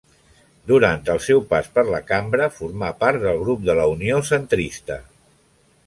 Durant el seu pas per la Cambra formà part del Grup de la Unió -Centrista.